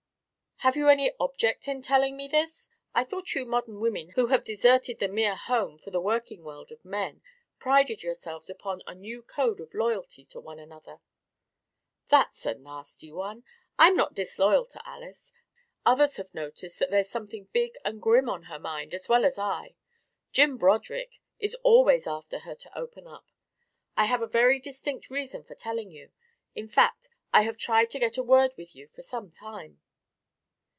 "Have you any object in telling me this? I thought you modern women who have deserted the mere home for the working world of men prided yourselves upon a new code of loyalty to one another." "That's a nasty one! I'm not disloyal to Alys. Others have noticed that there's something big and grim on her mind, as well as I. Jim Broderick is always after her to open up. I have a very distinct reason for telling you. In fact, I have tried to get a word with you for some time."